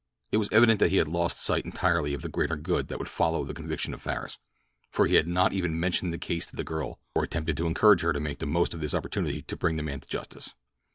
It was evident that he had lost sight entirely of the greater good that would follow the conviction of Farris, for he had not even mentioned the case to the girl or attempted to encourage her to make the most of this opportunity to bring the man to justice.